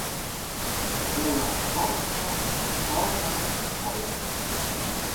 Теле шортшо: Чылдыр-чолт.